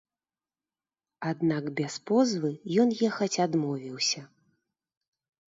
Аднак без позвы ён ехаць адмовіўся.